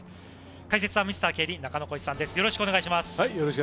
解説はミスター競輪・中野浩一さんです。